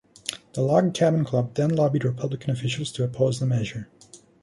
The Log Cabin Club then lobbied Republican officials to oppose the measure.